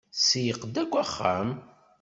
Tseyyeq-d akk axxam.